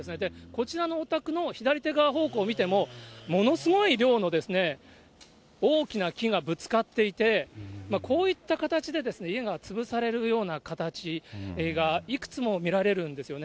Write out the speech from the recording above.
こちらのお宅の左手側方向見ても、ものすごい量の大きな木がぶつかっていて、こういった形で家が潰されるような形がいくつも見られるんですよね。